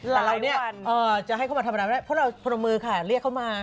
แต่เราจะให้เขามาทำประนับแรกเพราะเราผนมือค่ะเรียกเขามา